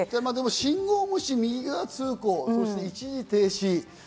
信号無視、右側通行、そして一時停止。